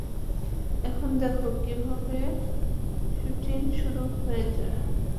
এখন দেখো, কিভাবে শুটিং শুরু হয়ে যায়।